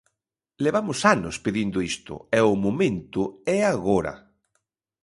Levamos anos pedindo isto, e o momento é agora.